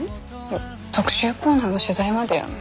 特集コーナーの取材までやんの？